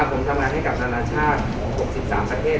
ผมทำงานให้กับนานาชาติของ๖๓ประเทศ